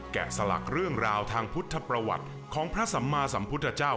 สลักเรื่องราวทางพุทธประวัติของพระสัมมาสัมพุทธเจ้า